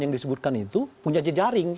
yang disebutkan itu punya jejaring